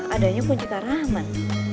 adanya kunci karaman